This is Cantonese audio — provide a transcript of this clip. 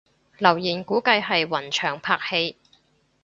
留言估計係雲翔拍戲